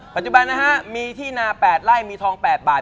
ปัจจุบันนะฮะมีที่นา๘ไร่มีทอง๘บาท